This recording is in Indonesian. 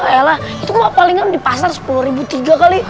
yalah itu mah palingan di pasar sepuluh tiga ratus kali